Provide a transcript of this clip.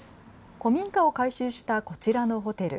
古民家を改修したこちらのホテル。